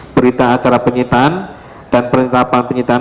berita acara penyitaan dan penetapan penyitaan